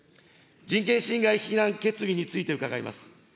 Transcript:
人権侵害非難決議について伺います。